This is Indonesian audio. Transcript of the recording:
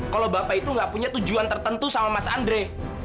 kalau bapak itu nggak punya tujuan tertentu sama mas andre